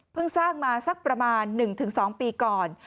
สร้างมาสักประมาณ๑๒ปีก่อน